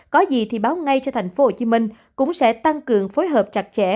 có gì thì báo ngay cho tp hcm cũng sẽ tăng cường phối hợp chặt chẽ